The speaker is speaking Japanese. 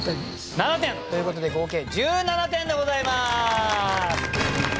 ７点！ということで合計１７点でございます！